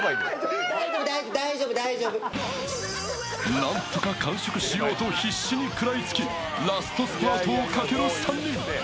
なんとか完食しようと必死に食らいつき、ラストスパートをかける３人。